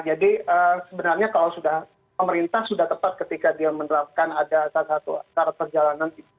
jadi sebenarnya kalau sudah pemerintah sudah tepat ketika dia menerapkan ada salah satu syarat perjalanan